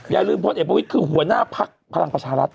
อย่าลืมพไอบวิทคือหัวหน้าภักดิ์พลังประชารัฐ